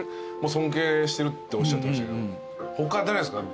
尊敬してるっておっしゃってましたけど他誰っすか？